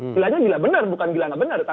gilanya gila benar bukan gilanya benar